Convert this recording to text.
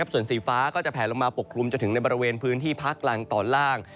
ส่วนสีฟ้าก็จะแผลลงมาปกคลุมจนถึงในบริเวณพื้นที่ภาคกลางตอนล่าง